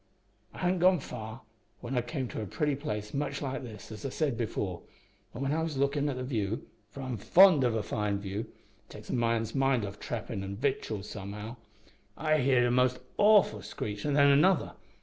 "I hadn't gone far when I came to a place pretty much like this, as I said before, and when I was lookin' at the view for I'm fond of a fine view, it takes a man's mind off trappin' an' victuals somehow I heerd a most awful screech, an' then another.